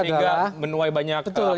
sehingga menuai banyak menyukur kontrak